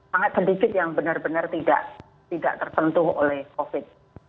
sangat sedikit yang benar benar tidak tertentu oleh covid sembilan belas